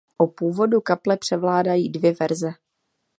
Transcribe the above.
O původu kaple převládají dvě verze.